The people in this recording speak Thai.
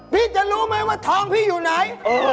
พี่จะรู้ไหมว่าทองพี่อยู่ไหน